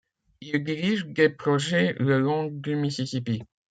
Il dirige des projets le long du Mississipi.